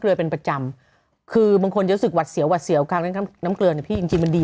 ก็บีบทางเนี่ยแล้วมันก็ไหลด้วย